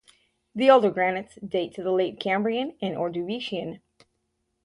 The Older Granites date to the late Cambrian and Orduvician.